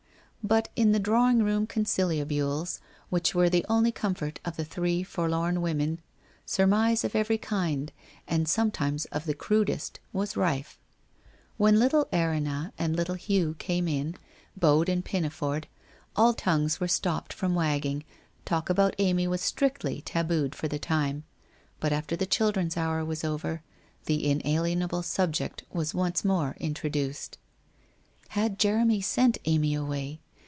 But in the drawing room conciliabules, which were the only comfort of the three forlorn women, sur mise of every kind, and sometimes of the crudest, was rife. When little Erinna and little Hugh came in, bowed and pinafored, all tongues were stopped from wagging, talk about Amy was strictly tabooed for the time, but after the children's hour was over, the inalienable subject was once more introduced. Had Jeremy sent Amy away?